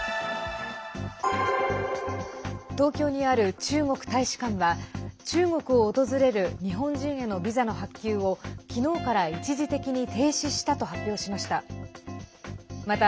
東京にある中国大使館は中国を訪れる日本人へのビザの発給を昨日から一時的に停止したと発表しました。